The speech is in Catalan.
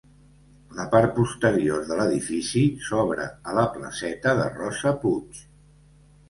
La part posterior de l'edifici s'obre a la placeta de Rosa Puig.